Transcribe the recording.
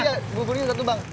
iya buburnya satu bang